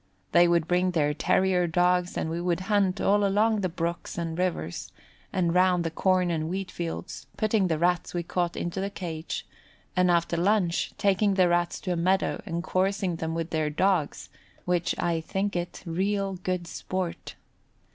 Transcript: They would bring their terrier dogs, and we would hunt all along the brooks and rivers, and round the corn and wheat fields, putting the Rats we caught into the cage, and after lunch, taking the Rats to a meadow and coursing them with their dogs, which I think it real good sport.